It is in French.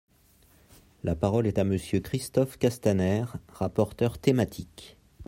La parole est à Monsieur Christophe Castaner, rapporteur thématique.